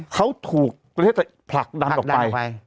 เขาถูกประเทศไทยผลักดันออกไป